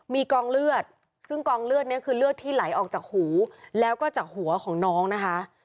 มีกองเลือดซึ่งกองเลือดนี้คือเลือดที่ไหลออกจากหูแล้วก็จากหัวของน้องนะคะ